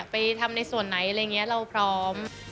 ไปทำในส่วนไหนอะไรอย่างนี้เราพร้อม